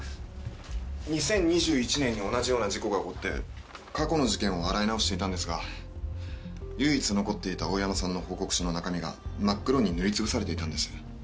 実は２０２１年に同じような事故が起こって過去の事件を洗い直していたんですが唯一残っていた大山さんの報告書の中身が真っ黒に塗りつぶされていたんです。